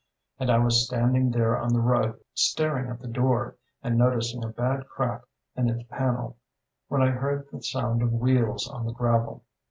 And I was standing there on the rug, staring at the door, and noticing a bad crack in its panel, when I heard the sound of wheels on the gravel.